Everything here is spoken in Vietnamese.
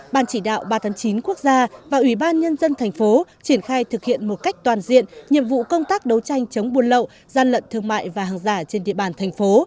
ban chỉ đạo ba trăm tám mươi chín quốc gia và ủy ban nhân dân thành phố triển khai thực hiện một cách toàn diện nhiệm vụ công tác đấu tranh chống buôn lậu gian lận thương mại và hàng giả trên địa bàn thành phố